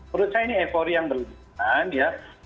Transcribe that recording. menurut saya ini efori yang berlindung